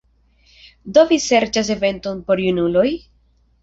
Do vi serĉas eventon por junuloj?